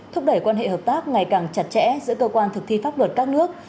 thúc đẩy quan hệ hợp tác ngày càng chặt chẽ giữa cơ quan thực thi pháp luật các nước